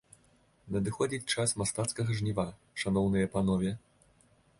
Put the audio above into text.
Надыходзіць час мастацкага жніва, шаноўныя панове.